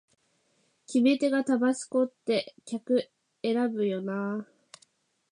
決め手がタバスコって客選ぶよなあ